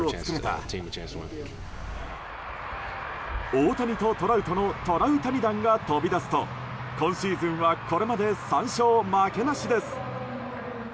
大谷とトラウトのトラウタニ弾が飛び出すと今シーズンはこれまで３勝負けなしです。